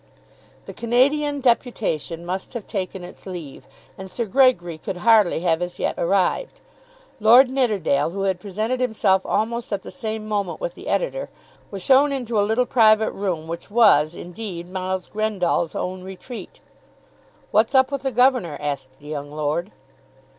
The Canadian Deputation must have taken its leave, and Sir Gregory could hardly have as yet arrived. Lord Nidderdale, who had presented himself almost at the same moment with the Editor, was shown into a little private room, which was, indeed, Miles Grendall's own retreat. "What's up with the Governor?" asked the young lord.